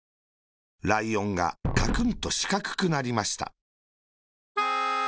ライオンがカクンとしかくくなりました。